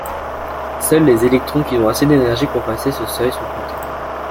Seuls les électrons qui ont assez d'énergie pour passer ce seuil sont comptés.